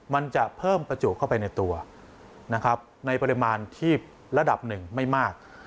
มันจะเพิ่มประจุเข้าไปในตัวนะครับในปริมาณที่ระดับหนึ่งไม่มาก